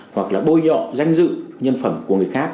hoặc là bôi nhọ danh dự nhân phẩm của người khác